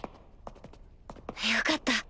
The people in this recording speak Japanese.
よかった